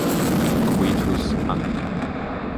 Coetus an.